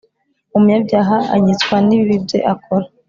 Umunyabyaha anyitswa n ibibi bye akora